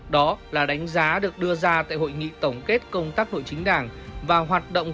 đó là đánh giá được đưa ra tại hội nghị tổng kết công tác nội chính đảng